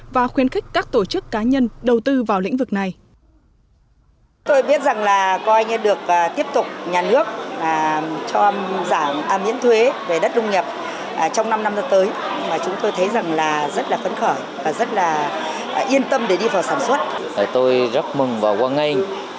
và khuyến khích các tổ chức cá nhân đầu tư vào lĩnh vực này